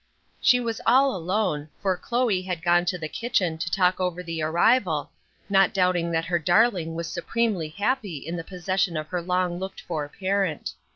She was all alone, for Chloe had gone down to the kitchen to talk over the arrival, not doubting that her darling was supremely happy in the possession of her long looked for parent.